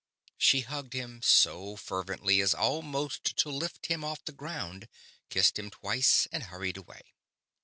She hugged him so fervently as almost to lift him off the ground, kissed him twice, and hurried away.